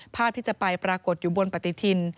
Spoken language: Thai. ภาพที่จะไปปรากฏอยู่บนปฏิทิน